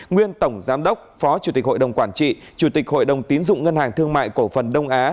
nguyên tổng giám đốc phó chủ tịch hội đồng quản trị chủ tịch hội đồng tín dụng ngân hàng thương mại cổ phần đông á